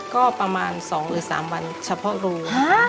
ก็ประมาณ๒หรือ๓วันเฉพาะรู